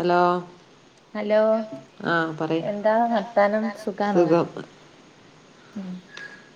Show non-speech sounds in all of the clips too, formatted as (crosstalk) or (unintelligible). Hello. Hello എന്താ വർത്താനം സുഖാണൊ? സുഖം ഉം.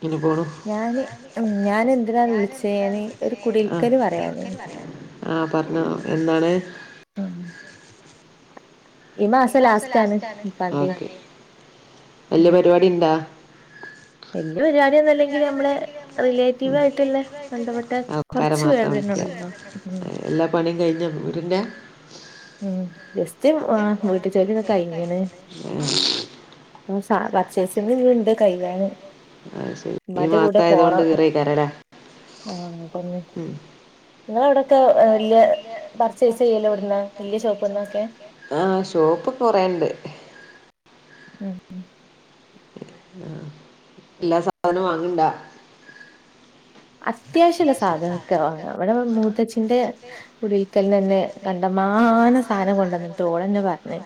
ഇങ്ങനെ പോണു ഞാന് ഉം ഞാന് എന്തിനാണ് വുള്ച്ചേന്ന് ഞാന് ഒര് കുടിൽക്കല് പറയാനെ. ആഹ് പർഞ്ഞൊ എന്നാണ്. ഹം. ഈ മാസം ലാസ്റ്റ് ആണ് ലാസ്റ്റാണ് മുപ്പാന്തി (unintelligible) വല്യ ഉം പരിപാടി ഇണ്ടാ? വല്യ പര് വാ. (unintelligible) അല്ലെങ്കിലു ഞമ്മളെ റിലേറ്റീവ് ആയിട്ട്ള്ള ബന്ധപ്പെട്ട ആൾക്കാരെ കൊറ്ച്ച് മാത്രം പേരന്നെ വിളിക്ക ഉള്ളു എല്ലാ പണിയും കയ്ഞ്ഞൊ വീട്ൻ്റെ? ഉം ജസ്റ്റ് വാ വീട്ട് ജോലിയൊക്ക കയ്ഞ്ഞ്ണ്. ഉം പർച്ചേസിങ് ഇഞ്ഞും ഇണ്ട് കഴിയാന് അഹ് ശരി ഈ ഇമ്മാന്റെ മാസ കൂടെ ആയതോണ്ട് പോണം ഈറേക്കാരലെ. ആഹ് പർഞ്ഞ്. ഇങ്ങളവടൊക്ക ഏഹ് വല്ല്യ പർച്ചേസിയ്യല് എവ്ട്ന്ന വല്ല്യ ഷോപ്പ്ന്നൊക്കെ? ആഹ് ഷോപ്പ് കൊറേണ്ട്. ഉം ഉം. ആഹ് എല്ലാ സാധനും വാങ്ങ്ൺണ്ടാ? അത്യാവ്ശ്യള്ള സാധനൊക്കെ വാങ്ങ വടെപ്പ മൂത്തച്ചിന്റെ കുടിൽക്കൽന്നെന്നെ. കണ്ടമാനം സാനം കൊണ്ടെന്നിട്ട് ഓളെന്നെ പർഞ്ഞ്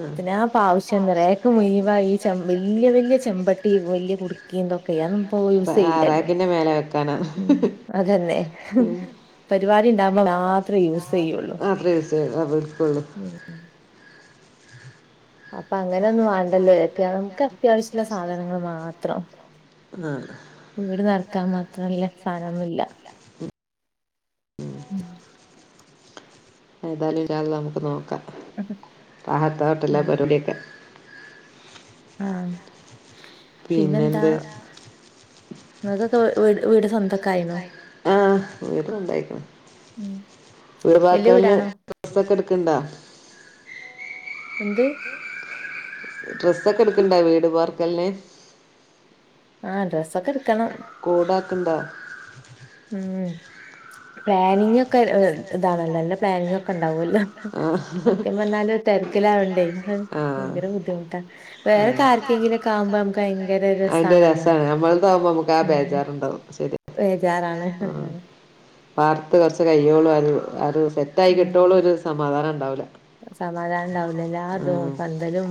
ആ എത്തിനാപ്പം ആവ്ശ്യംന്ന് റേ ക്ക് മുയ് വ ഈ ചെ വല്ല്യ വല്ല്യ ചെമ്പട്ടി വല്ല്യ കുട്ക്കി ന്തൊക്കെ അ ഒന്നുപ്പൊ യൂസെയ്യില്ലല്ലോ. ന്റെ മേലെ വെക്കാനാ. അതന്നെ ഉം പരിപാടി ഉണ്ടാവുമ്പോ പരിവാടിണ്ടാവുമ്പം മാത്രേ യൂസ് ചെയ്യുള്ളൂ മാത്രം യൂസെയ്യും മാത്ര യൂസ തെ അവര്ക്കൊള്ളു. ഉം അപ്പങ്ങനെന്നു വാണ്ടല്ലോ ഏക്യാതം ക്കത്ത്യാവശ്യള്ള സാധനങ്ങൾ മാത്രം. ആ വീട് നെർക്കാ മാത്രല്ല സാനൊന്നുല്ല ഉം. ഏതാലും യാ അള്ളാ നമക്ക് നോക്ക റാഹത്താവട്ടെ എല്ലാ ഉം പര് വാടിയൊക്കെ. ആഹ് പിന്നെന്താ? പിന്നെന്ത് ങ്ങക്കൊക്കെ വ് വീട് വീട് സൊന്തക്. ന്തക്കായിണ് ആഹ് വീട് സ്വന്തായ്ക്ണ് ഉം വീട് വല്യ പാക്കൽന്. വീടാണോ ഡെസൊക്കെട്ക്ക്ണ്ടാ? എന്ത്? ഡ്രസ്സൊക്കെട്ക്ക്ണ്ടാ വീട് പാർക്കൽന്. ആഹ് ഡ്രസ്സൊക്കെട്ക്കണം. കൂടാക്ക്ണ്ടാ? ഉം പ്ലാനിങ്ങൊക്കെ ഹ് താണല്ലോ ഇല്ല പ്ലാനിങ്ങൊ ക്കണ്ടാവൊല്ലോ ആ സത്യം പർഞ്ഞാല് തെര്ക്കിലാവണ്ടയ് ഹ് ആ ഭയങ്കര ബുദ്ധിമുട്ട. ആ. വേറെക്കാര്ക്കെങ്കിലൊക്കാവുമ്പ നമക്ക് ഭയങ്കര അതിന്റെ രസാണല്ലോ രസമാണ് നമ്മളതാവുമ്പോ നമുക്ക് ഉം. വേജാറാ. വേജാറാ ഉം പാർത്ത് കൊർച്ച് കയ്യോളു ആഒരു ആ രു സെ തായി കിട്ടോളൊരു സമാധാനണ്ടാവുല. സമാധാനണ്ടാവൂല ല്ലാതും പന്തലും.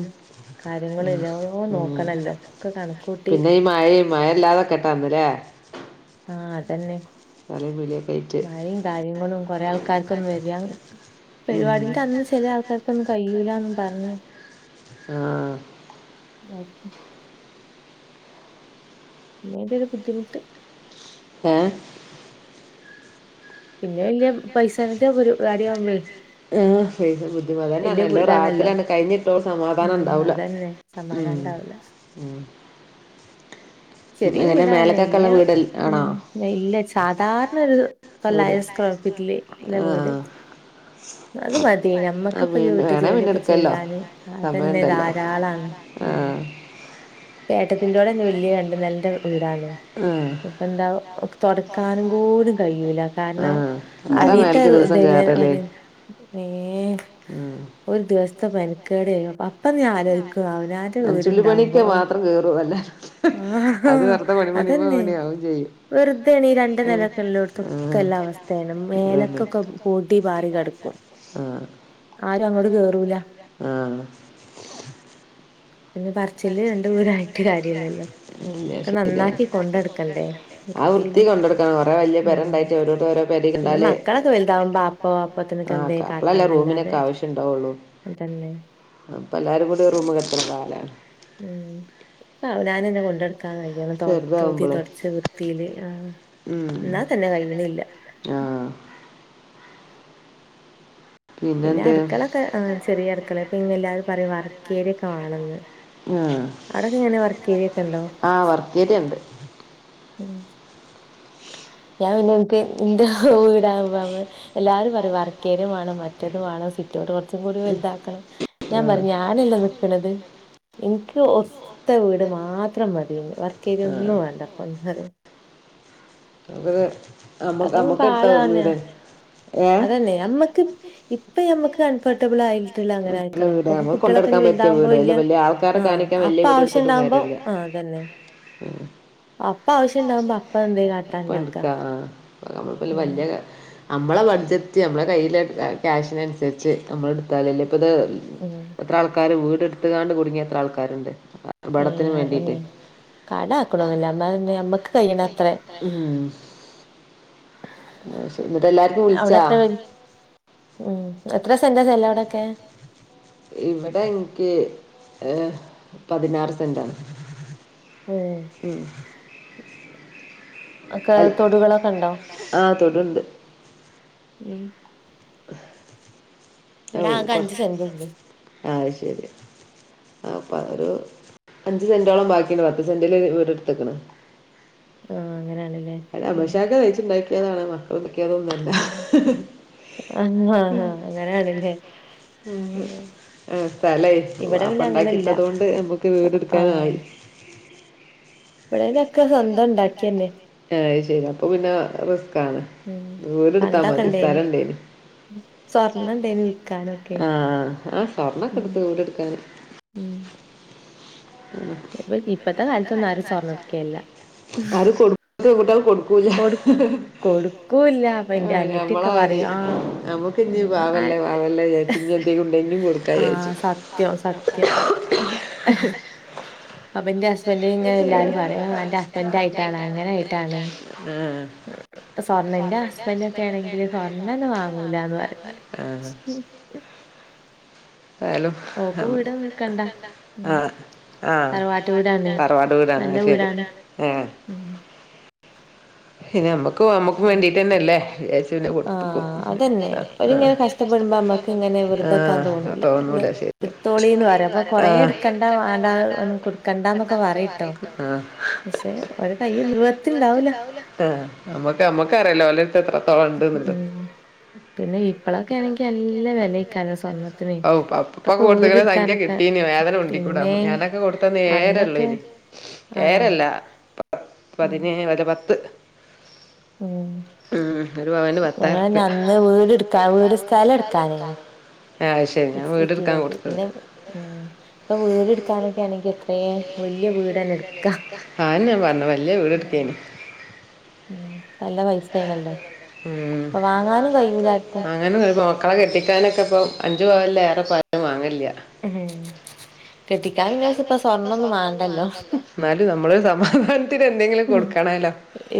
കാര്യങ്ങളു ഉം. എല്ലാ ഉം. നോക്കണല്ലോ ഒക്കെ കണ്ക്കൂട്ടി. പിന്നെ ഈ മഴിം. മയല്ലാതക്കട്ടന്ന് ലേ ആ അതന്നെ ചളി പിളികയ്റ്റ്. ദാര്യങ്ങളും കൊറേ ആൾക്കാര്ക്കൊന്നു വര്യാ ഉം പരിപാടിന്റന്ന് ചെലെ ആൾക്കാര്ക്കൊന്നും കയ് യ്യൂലന്നും പർഞ്. ആഹ്. ദാക്ക്. പിന്നയ്ന്റൊരു ബുദ്ധിമുട്ട്. ഏഹ്. പിന്നെ ല്ല്യം. ന്നെ പൈസൻ്റെ ഒരു കാര്യാവും ചൊ ആഹ് പൈസ വലിയ വീ ബുദ്ധിമതന്നല്ലു ഇതാണല്ലോ റാഹതിലണ് കയ്ഞ്ഞി ട്ടൊ ഉം സമാധാനണ്ടാവൂല അതന്നെ ഉം സമാധാനം ഉണ്ടാവില്ല ഉം. ചെറിയ എങ്ങനെ വീടാണ് മേലക്കൊക്കെയുള്ള വല്യ വീട് ആണോ മ് നെ ഇല്ല സാധാര്ണരു വീട് തൊള്ളയിര സ്‌ക്വയർഫീറ്റില്. ല വീട്. ആഹ് (inaudible) അത് മതി ആഹ് മ്മക്കിപ്പഞ്ഞ് വീണ് വീട്ട് വേണേ പിന്നെ ജോല്യൊക്കെ എടുക്കല്ലോ ചെയ്യാന് അതന്നെ സമയണ്ടല്ലോ ധാരാളാണ്. ആഹ്. ഏട്ടത്തിന്റോടെന്നെ വല്യ രണ്ട് നെൽന്റെ വീടാണ്. ആഹ്. ഇപ്പെന്താ തൊട്ക്കാനും കൂടി കയ്യൂല. കാര്ണം ആഹ് ആരാ മേലക്ക് ദിവസം അടീത്തറുതിലെ കേറല് മാര്യന്നെ മേ. ഉം ഒരു ദിവസ്ത്തെ മെൻക്കേടേനി അപ അപ്പ ഞാ ആലോയ്ക്കു അവനാൻ. നൻചുള്ളി പണിക്ക്‌ മാത്രം കേറു അല്ല ആ അത് വെർതെ മണി മണി പേണ്യാവും ചെയ്യും. വെറുതെണീ രണ്ട് ആഹ് നെലക്കില്ലോട്ത്തൊക്കെല്ല അവസ്തേണ് തിരക്കിലോലൊക്കെ മേലക്കൊക്ക പൊടി പാറി കെട്ക്കും. ആഹ്. ആരു അങ്ങോട് കേറൂല ആ പിന്നെ പർച്ചിൽല് രണ്ട് വീടായിട്ട് കാര് കാര്യല്ലല്ലോ ഇല്ല ഒക്ക ശരിയാണ് നന്നാക്കി കൊണ്ടട്ക്കണ്ടേ ആ വൃത്തി വൃത്തീല് കൊണ്ടടുക്കണം കൊറേ വലിയ പെര ഉം ഉണ്ടായിട്ട് ഓരോരുത്തര് ഓരോ പെര പിന്നെ കണ്ടാല് മക്കളെക്കെ വൽതാവുമ്പൊ അപ്പൊ അപ്പത്തിനൊക്കെ ആഹ് എന്തേ അപ്പളല്ലേ കാട്ടാന്നല്ലാതെ റൂമിനൊക്കെ അതന്നെ അപ്പ എല്ലാരും കൂടി ഒരു റൂമ് കെട് (unintelligible) ഉം പ്പ അവ്‌നാനന്നെ കൊണ്ടട് ക്കാൻ കയ്യണം തൊ തോത്തി ചെറുതാവുമ്പളെ തൊട്ച്ച് വൃത്തീല് ആ ന്നാ തന്നെ കയ്യിണില്ല ആ പിന്നെ പിന്നെന്ത് അട്ക്കളൊക്കെ ആ ചെറിയ അട്ക്കളെ പിന്നെ എല്ലാരും പറിം വർക്കേരിയൊക്കെ വാണന്ന് ആ അവ്ടൊക്കെങ്ങനെ വർക്കേരിയൊക്കണ്ടോ കേര്യണ്ട് ഉം ഞാൻ പിന്നെ ഇൻക് (unintelligible) എല്ലാരും പറിം വർക്കേരിയ വാണം മറ്റത് വാണം സിറ്റൗട്ട് കൊർച്ചും കൂടി വൽതാക്കണം ഞാൻ ആഹ് പർഞ് ഞാനല്ലെ നിക്ക്‌ണത് ഇൻക്ക് ഒത്ത വീട് മാത്രം മതി വർക്കേരി ഒന്നും വാണ്ടപ്പന്ന് പറിം അത് അമ്മ അതൊക്കെ അമ്മക്ക് ഇനിയിപ്പോ എട്ത്താ ആള് തന്നെ ഒതുങ്ങൂലെ ഏ അതന്നെ നമ്മക്ക് ഇപ്പ നമ്മക് കംഫർട്ടബിൾ ആയിട്ട്ള്ള അങ്ങനെ ആയിര്ക്കണം വീട് ഇപ്പൊ നമ്മക്ക് കുട്ടിയളൊക്കെ കൊണ്ടടുക്കാൻ ഞ് പറ്റിയ വൽതാവുമ്പോ വീട് അല്ല വല്യ വലിയ ആൾക്കാരെ ആ കാണിക്കാൻ അപ്പ വലിയ ആവശ്യണ്ടാവുമ്പോ ആ അതന്നെ ഉം അപ്പ ആവശ്യണ്ടാവുമ്പോ അപ്പ എന്തേലും കാട്ടാ ഇണ്ടാക്കാ അപ്പട്ക്കാ ആ (unintelligible) ഉം വല്യ അമ്മളെ ബഡ്ജറ്റ് അമ്മളെ കയ്യില് ക്യാഷിനൻസര്ച്ച് നമ്മളെടുത്താലല്ലെ പ്പ ഇത് (unintelligible) എത്ര ആൾക്കാര് വീട് ഇട്ത്ത്ങ്ങാണ്ട് കുടുങ്ങിയ എത്ര ആൾക്കാര്ണ്ട് പടത്തിന് ഏഹ് വേണ്ടിട്ട് അതന്നെ കട ആക്കണൊന്നില്ല അമ്മ ആക്ക്ണോന്നുല്ല ന്നാ നമ്മക്ക് കഴിയണ കയ്യിണ അത്രേ അത്ര ഉം അയ് ശരി ന്നട്ട് എല്ലാർക്കും അവിടെ വിൾച്ചാ എത്ര വെ- ഉം എത്ര സെന്റ് സ്ഥല അവ്ടൊക്കെ ഇവടെ ഇൻക്കി പതിനാറ് സെന്റാണ് ഉം അക്ക അൽ- തൊടുകളൊക്കെ ഇണ്ടോ ആ തൊടുണ്ട് ഉം ഔ ഇവിടെ ആകെ കൊർ അഞ്ച് സെന്റുള്ളൂ അയ് ശരി ആപ്പ ഒരു അഞ്ച് സെന്റോളം ബാക്കിണ്ട് പത്ത് സെന്റില് വീടട്ത്ത്ക്ക്ണ് ആ അങ്ങനെണ് ലെ അമഷാക്ക നയിച്ചുണ്ടാക്കിയതാണ് മക്കള് ഇണ്ടാക്കിയാതൊന്ന ഉം അങ്ങനെണ് ലെ ഉം സ്ഥലേ ഇവിടെ ബാപ്പ പിന്നെ അങ്ങനെല്ല ഇണ്ടാക്കിട്ടതൊണ്ട് നമ്മക്ക് വീട് ആഹ് ഇട്ക്കാനായി ഇവിടെലൊക്കെ സ്വന്തം ഇണ്ടാക്കിയന്നെ അയ് ശരി അപ്പൊ പിന്നെ റിസ്കാണ് ഉം വീട് ട്ത്താ മതി സ്ഥലണ്ടേനി സ ആ ആ സ്വർണൊക്കെ ഉം ഇട്ത്ത് വീട് ഇട്ക്കാന് ഉം ഉം ഇപ്പ ഇപ്പത്തെ കാലത്തൊന്നും ആരും സ്വർണ്ണ എടുക്കേല്ല ആരും കൊടുക്കൂ പെൺകുട്ടിയള് കൊടുക്കൂല കൊടു കൊടുക്കൂല്ല അപ്പൊ ആ എന്റെ അനിയത്തിയൊക്കെ ഞമ്മളാരി പറയും ആ നമ്മക്ക് ഇഞ്ഞി ഉം, ആ പാവല്ലേ പാവല്ലേ വിജാ ഇനിം എന്തേലും ഉണ്ടേ ഇനിം കൊടുക്കാ ആ വിചാരിച്ചു സത്യം സത്യം സത്യം. അപ്പൊ എന്റെ അവന്റെ ഹസ്ബൻഡ് ഇങ്ങനെ (unintelligible) എല്ലാരും പറയും ആ അന്റെ ഹസ്ബൻഡ് അമ്മേന്റെ ആയിട്ടാണ് അങ്ങനായിട്ടാണ്. ആഹ്. സ്വർണേന്റെ ഹസ്ബന്റ് ഒക്കെ ആണെങ്കില് സ്വർണ്ണ ഒന്നും വാങ്ങൂലാന്ന് പറയും. ആ ആയാലും ഓക്ക് വീടൊന്നും ദൂരം വെക്കണ്ട നിക്കണ്ട ഉം ആഹ്. ആഹ് തറവാട്ട് വീടാണ് തറവാട്ടു വീടാണ് നല്ല അയ് ശരി വീടാണ് ഏഹ്. ഉം പിന്നെ നമ്മക്ക് നമ്മക്കും ഉം വേണ്ടീട്ട് തന്നെല്ലേ എന്ന് വിചാരിച്ച് പിന്നെ കൊടുത്തക്കും. ആഹ് അതന്നെ അവരിങ്ങനെ ഓരിങ്ങനെ കഷ്ടപ്പെടുമ്പോ കഷ്ടപ്പെട്ടുമ്പോ നമ്മക്ക് ഇങ്ങനെ നമ്മക്കിങ്ങനെ വെറുതെക്കാൻ ആഹ് നമ്മള് തോന്നൂല ആഹ് ശരിയാ എടുത്തോളീന്ന് പറയും അപ്പൊ കൊറേ ആഹ്. എടുക്കണ്ട കണ്ടാ വേണ്ട ഒന്നും കൊടുക്കണ്ടാന്നൊക്കെ പറയിട്ടോ പറയും ആഹ്. പക്ഷെ ഓരെ കൈയ്യിൽ നമ്മടെ അടുത്ത് നിവർത്തിണ്ടാവൂല ഉണ്ടാവുയില്ലാ, ആഹ് നമ്മക്ക് നമ്മക്ക് അറിയല്ലോ ഓലെടുത്ത് എത്രത്തോളം ഉണ്ടുന്നുള്ളത്. ഉം പിന്നെ ഇപ്പളൊക്കെ ആണെങ്കി ഇപ്പളോക്കെ ആണേങ്കി നല്ല വെല വെലയ്ക്കാരം ആയ്ക്കാരം സ്വർണ്ണത്തിന് സ്വർണത്തിന്, ഇപ്പൊക്കെ ആഹ്ഇപ്പൊക്കെ കൊടുത്ത്ക്കണേ സംഖ്യ വീടെടുക്കാനൊക്കെ കിട്ടി. ഒരു വേദന ഉള്ളിക്കൂടി പിന്നെ ഞാനൊക്കെ കൊടുത്തന്നന്ന് ഏഴ് അന്നൊക്കെ അരയുള്ളേയ്നീ ഏഴ് ആണോ അരയല്ല. പ ഉം പതിനേഴ് അല്ലെ പത്ത്. ഉം. ഉം ഒരു പവന് ഞങ്ങള് പത്തായിറുപ്യ അന്ന് വീട് എടുക്കാ വീട് സ്ഥലം എടുക്കാനായിനി. ആഹ് അത് ശരി ഞാൻ വീട് എടുക്കാൻ കൊടുത്തത്. ഉം. ഇപ്പൊ വീട് എടുക്കാനൊക്കെയണെക്കി എത്രയും വല്യ വീട് ന്നെ എടുക്കാം. ആന്നെ ഞാൻ പറഞ്ഞ വല്യ വീടെടുക്കേന് ഉം നല്ല പൈസ ആണല്ലോ ഉം അപ്പൊ വാങ്ങാനും കഴിയൂലാ ആർക്കും. അങ്ങനെ ഒരു മക്കളെ കെട്ടിക്കാനൊക്കെ ഇപ്പം അഞ്ചു പവനില് ഏറെ ഇപ്പം ആരും വാങ്ങല്ലില്ല. ഉം കെട്ടിക്കാ പിന്നെ ഇപ്പം സ്വർണ്ണൊന്നും വേണ്ടല്ലോ. എന്നാലും നമ്മളെ ഒരു സമാധാനത്തിന് എന്തെങ്കിലും കൊടുക്കണാലോ.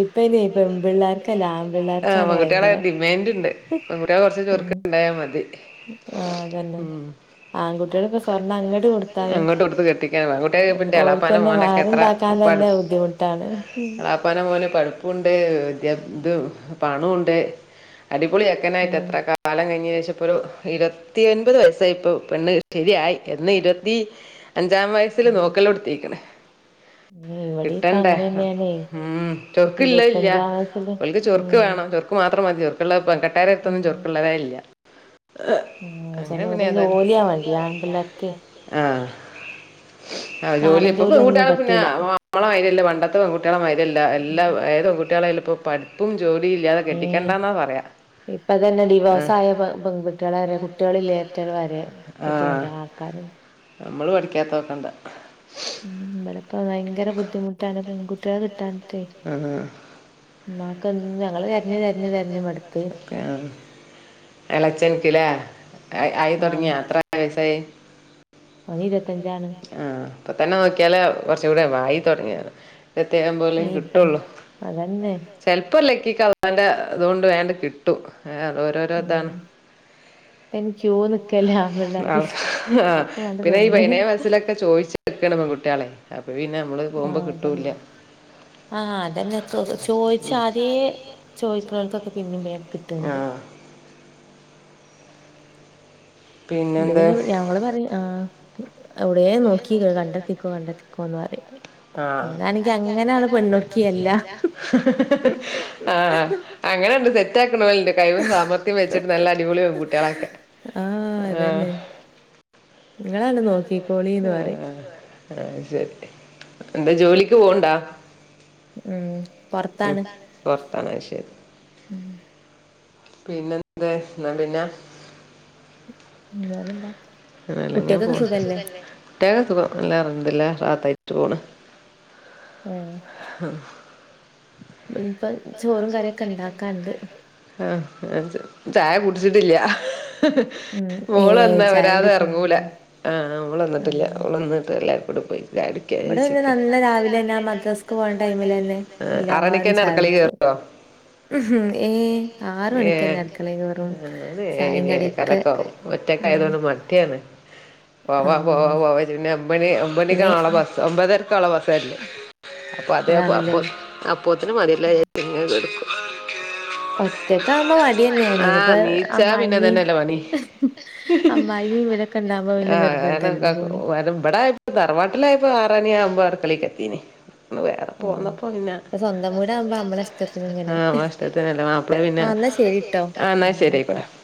ഇപ്പൊ ഇനി ഇപ്പ അയിന് പെൺ പെൺപിള്ളേർക്കല്ല പ്പിള്ളേർക്ക് അല്ല ആൺകുട്ടി, ആഹ് ആൺപിള്ളേർക്കാണ് പെൺകുട്ടികളെ ഭയങ്കര ഡിമാൻഡ് ഉണ്ട് പെൺകുട്ടിയള് കുറച്ച് ചെറു ഉം ക്ക് ഉണ്ടായാ മതി. ആഹ് അതന്നെ. ഉം ആൺകുട്ട്യേള് ഇപ്പോ സ്വർണ്ണം അങ്ങോട്ട് കൊടുത്താലും അങ്ങോട്ട് കൊടുത്ത് കെട്ടിക്കാൻ പെൺകുട്ടികൾക്ക് ഇപ്പം എന്റെ എളാപ്പാന്റെ ഓല്ക്കന്നെ മോനൊക്കെ മഹർ എത്ര ഉണ്ടാ ക്കാൻ തന്നേ ബുദ്ധിമുട്ടാണ്. വാപ്പാനെ പോലെ പഠിപ്പുണ്ട് വിദ്യാ ഇതും പണോ ഉണ്ട് അടിപൊളിയാ ങ്ങനായിട്ട് എത്ര കാലം കഴിഞ്ഞ ശേഷം ഇപ്പൊരു ഇരുവത്തിയെൻപത് വയസ്സായി ഇപ്പോ പെണ്ണ് ശരിയായി എന്ന് ഇരുപത്തി അഞ്ചാം വയസ്സില് ഉം നോക്കലൊടത്തീക്ക്ണ്. ഇവിടെ ഇപ്പ കിട്ടണ്ടേ അങ്ങനെ തന്നെയാണേ ഉം ചൊർക്കുള്ളത് ഇല്ല്യാ. ഇരുപത്തഞ്ചാം വയസ്സില് ഓല്ക്ക് ഉം ചൊർക്ക് വേണം ചൊർക്ക് മാത്രം മതി ചൊർക്കുള്ളത്. പെങ്കെട്ടേര്തൊന്നും ഉം ചൊർക്കുള്ളതേ ഇല്ല. ആഹ് ചെല അങ്ങനെ അവിടെ ജോലിയാ വേണ്ടി ആൺപിള്ളേർക്കേ. ആഹ്. ആഹ് ജോലി നാടൻ ഇപ്പ ജോലിയൊന്നും പെൺകുട്ട്യേള് പിന്നെ പറ്റൂല നമ്മളെ മാരിയല്ല പണ്ടത്തെ പെങ്കുട്ട്യേളെ മാര്യല്ല എല്ലാ ഏത് പെൺകു കുട്ട്യേള് അയലിപ്പോ പഠി പ്പും ജോലിയില്ല്യാതെ. ഏഹ് ഇപ്പ തന്നെ ഡിവോസായ പെ പെൺകുട്ട്യേളെ വരേ കു കുട്ട്യേളില്ലേറ്റള് വരേ കൊത്തി കൊണ്ടാവാൻ ആൾക്കാരുണ്ട്. നമ്മള് പഠിക്കാത്ത നോക്കണ്ട. ഉം ഇബലൊക്കെ ഭയങ്കര ബുദ്ധിമുട്ടാണ് പെൺകുട്ട്യേളെ കിട്ടാന്. ആഹ്. ഉമ്മാക്കെന്നും ഞങ്ങള് തെരഞ്ഞ് തെരഞ്ഞ് തെരഞ്ഞ് മടുത്ത്. ആഹ് എളേച്ചെൻക്ക്ലേ ആയ് ആയി ആഹ് തൊടങ്ങിയാ എത്ര വയസ്സായി? അവന് ഇരുവത്തഞ്ചാണ്. ആഹ് ഇപ്പം തന്നെ നോക്കിയാലേ കൊറച്ച്കൂടെ വായി തൊടങ്ങിയാ. പ്രേത്യേകം പോലേം ഇപ്പൻ കിട്ടൊള്ളൂ അതന്നെ ചെലപ്പൊ ഒര് ലക്കിക്ക് അള്ളാന്റെ ഇതോണ്ട് വേണ്ട് കി ട്ടു ഏഹ് ഓരോരോ ഇതാണ്. ഉം ഇപ്പയ്ന് ഇപ്പയിന് ക്യൂ നിക്കല്ല നിക്കല്ലേ ആമ്പിള്ളാര് ആഹ് ഹാ എല്ലാർക്കും വേണ്ടേ പിന്നെ ഈ പെണ്ണ് പയിനേഴ് വയസ്സില് ക്കെ ചോയിച്ചിട്ക്കാണ്. പെൺകുട്ട്യേളെ അപ്പൊ പിന്നെ നമ്മള് പോകുമ്പോ ആഹ് അതന്നെ കിട്ടൂല്ല ആഹ് അതന്നെ ചോയിച്ച ല്ചോയിക്ക്നോൽക്കൊക്കെ പിന്നിം വേം ആ കിട്ട്ണ്ട്. ഇത് പിന്നെന്താ പിന്നെ ഞങ്ങള് പറിം ആഹ് എവ്ടേ നോക്കി കണ്ടെത്തിക്കോ കണ്ടെത്തിക്കോന്നറിം. ആഹ് ഓനാണെങ്കി അങ്ങനെണ് പെണ്ണൊടുക്കിയല്ല പെണ്ണോക്കിയല്ല. ഹ് ഹ് ഹ് ആഹ് അങ്ങനെണ്ട് സെറ്റാക്ക്ണോല്ണ്ട്. കഴിവും സാമർത്യും വെച്ചിട്ട് നല്ല അടിപൊളി പെൺകുട്ട്യേളെക്കെ ആഹ് ഇങ്ങളാണ്ട് നോക്കി ആഹ് ആഹ് ശരി എന്താ ജോലിക്ക് പോവ്ണ്ടാ. ഉം ഉം പൊറത്താണ് പുറത്താണ് അയ്ശരി. ഉം പിന്നെന്തേ ന്നാ പിന്നെ ഉം വേറെന്താ ഇങ്ങനെയെല്ലാങ് പോണു കുട്ട്യേൾക്കൊക്കെ സുഖല്ലേ കുട്ട്യേൾക്കൊക്കെ സുഖം എല്ലാ അൽഹംദുലില്ലാഹ് റാഹത്തായിട്ട് പോണ്. ഉം ഹം ഇഞ്പ്പം ചോറും കറിയൊക്കെ ഇണ്ടാക്കാണ്ട്. ആഹ് ഞാൻ ചാ ചായ കുടിച്ചിട്ടില്ല. ഉം മോള് ഏഹ് വന്നാ ചായ വരാതെ കുടിക്കാൻ എറങ്ങൂല പോയി ആഹ് മോള് വന്നിട്ടില്ല. ആഹ് അവള് വന്ന്ട്ട് എല്ലാരും കൂടെ പോയി. ചായൊടിക്കാ ഇവിടെ വിചാരിച്ച്ക്കാ പിന്നെ ഇബടെപിന്നെ നന്ന രാവിലെന്നെ ആ രാവിലെ ഞാൻ മദ്രസ്ക്ക് മക്കക്ക് പോണ ടൈമിലെന്നെ ആഹ്‌ എല്ലാരും ആറണിക്കെന്നെ ചായ അടുക്കളേ കേ (unintelligible) കുടിക്കും ഉം ഏഹ് ആറ് ഏ മണിക്കന്നെ അടുക്കളേ കേറും ഞാൻ ഏഴണി ചായേം കടിയൊക്കെ ഏഴേകാലക്കാവും. ഉം ഒറ്റക്കായതോണ്ട്. മഡി ആണ്. പോവ്വാ പോവ്വാ ആഹ് പോവാ ച്ച്റ്റ് പിന്നേ ഒമ്പണി പിന്നെ ഒമ്പണിക്കാനോളെ ബസ് ഒമ്പതരക്കാ ഓളെ ബസ് വരല്. അപ്പൊ അതേ അപ്പ അതാണല്ലേ അപ്പത്തിന് മതില്ല ഇങ്ങനെ കൊടുക്കും. ഒറ്റക്ക ആവുമ്പോ മടി അന്നെയാണ് ആഹ് നീച്ചാ പിന്നെ ഇത്പൊഅമ്മായിമ ഇതന്നെല്ലേ പണി അമ്മായമ്മ ഇവരൊക്കെ. ഒക്കെ ഉണ്ടാവുമ്പോ പിന്നെ ആഹ് കാരണം നിർബന്ധല്ലേ പോണി. കാരണം ഇവിടായപ്പോ തറവാട്ടിലായപ്പോ ആറണി ആവുമ്പോ അടുക്കളിക്ക് എത്തിന്. വേറെ ആഹ് പോന്നപ്പോ പിന്നെ ഇപ്പൊ സ്വന്തം വീടാവുമ്പോ നമ്മളെ ആ നമ്മളെ ഇഷ്ടത്തിന് അല്ലേ. മ ആ എന്നാ ശരിട്ടോ. ആന ആഹ് ഇന്നാ ശരി ആയിക്കോട്ടൊ ആയിക്കോട്ടെ